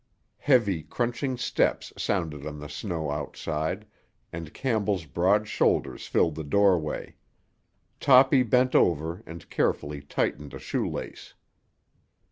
Heavy, crunching steps sounded on the snow outside, and Campbell's broad shoulders filled the doorway. Toppy bent over and carefully tightened a shoe lace.